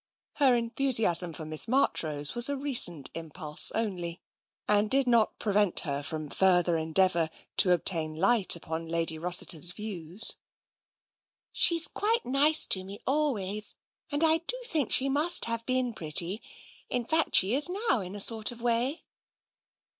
Her enthusiasm for Miss Marchrose was a recent impulse only, and did not prevent her from a fur 144 TENSION ther endeavour to obtain light upon Lady Rossiter's views. " She's quite too nice to me, always, and I do think she must have been pretty. In fact, she is now, in a sort of way."